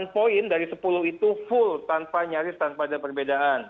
sembilan poin dari sepuluh itu full tanpa nyaris tanpa ada perbedaan